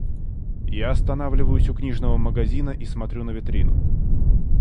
Я останавливаюсь у книжного магазина и смотрю на витрину.